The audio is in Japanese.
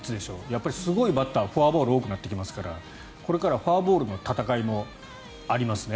やっぱりすごいバッターはフォアボールが多くなってきますからこれからはフォアボールの戦いもありますね。